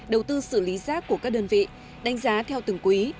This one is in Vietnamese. đầu tư xử lý rác của các đơn vị đánh giá theo từng quý